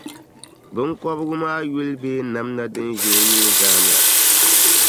biŋkɔbigu maa yuli bee namba din ʒe o yuli zaani la.